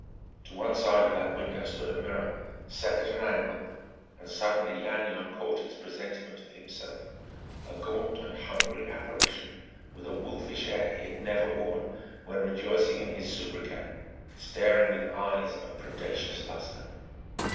To one side of that window stood a mirror, set at an angle, and suddenly Lanyard caught its presentment of himself a gaunt and hungry apparition, with a wolfish air he had never worn when rejoicing in his sobriquet, staring with eyes of predaceous lustre.